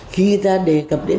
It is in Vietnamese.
khi ta đề cập đến